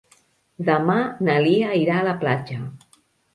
Demà na Lia irà a la platja.